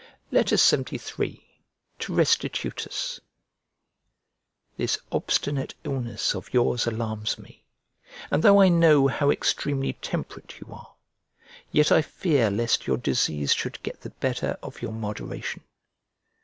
LXXIII To RESTITUTUS THIS obstinate illness of yours alarms me; and though I know how extremely temperate you are, yet I fear lest your disease should get the better of your moderation.